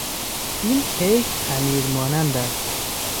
این کیک خمیر مانند است.